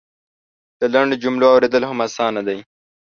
د لنډو جملو اورېدل هم اسانه دی.